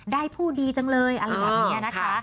ผู้ดีจังเลยอะไรแบบนี้นะคะ